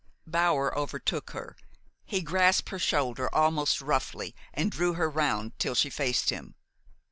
Bower overtook her. He grasped her shoulder almost roughly, and drew her round till she faced him.